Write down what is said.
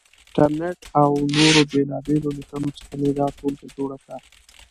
انټرنېټ او نورو بېلابېلو لیکنو څخه مې دا ټولګه جوړه کړه.